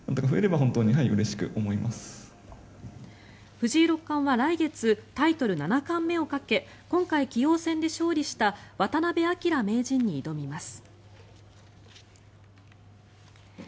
藤井六冠は来月タイトル七冠目をかけ今回棋王戦で勝利した渡辺明名人に挑みます。